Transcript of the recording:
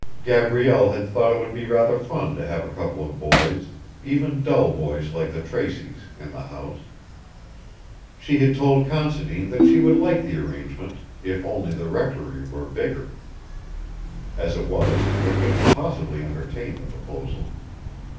Gabrielle had thought it would be rather fun to have a couple of boys, even dull boys like the Traceys, in the house. She had told Considine that she would like the arrangement if only the Rectory were bigger. As it was they couldn't possibly entertain the proposal.